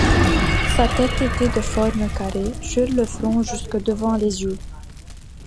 Sa tête était de forme carrée sur le front jusque devant les yeux.